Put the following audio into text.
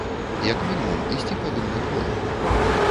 Як мінімум, ісці павінны двое.